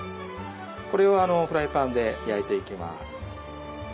これをフライパンで焼いていきます。